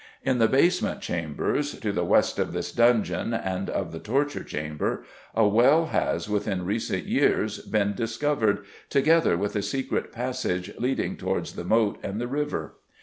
In the basement chambers, to the west of this dungeon and of the torture chamber, a well has, within recent years, been discovered, together with a secret passage leading towards the moat and the river.